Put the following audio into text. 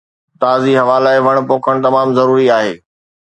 تازي هوا لاءِ وڻ پوکڻ تمام ضروري آهي